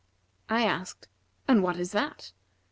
I asked, 'And what is that?'